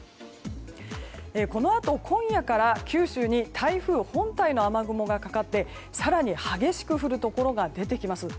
このあと、今夜から九州に台風本体の雨雲がかかって更に激しく降るところが出てきます。